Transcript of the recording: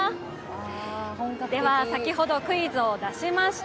では先ほどクイズを出しました。